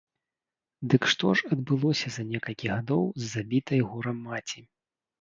Дык што ж адбылося за некалькі гадоў з забітай горам маці?